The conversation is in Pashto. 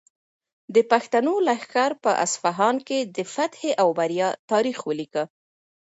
د پښتنو لښکر په اصفهان کې د فتحې او بریا تاریخ ولیکه.